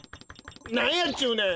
なんやっちゅうねん！